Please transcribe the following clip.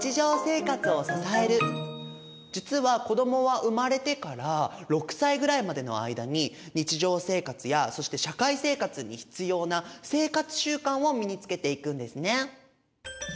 実は子どもは生まれてから６歳ぐらいまでの間に日常生活やそして社会生活に必要な生活習慣を身につけていくんですね。